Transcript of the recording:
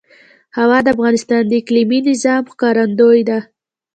هوا د افغانستان د اقلیمي نظام ښکارندوی ده.